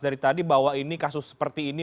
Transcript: dari tadi bahwa ini kasus seperti ini